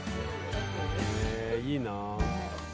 えいいな。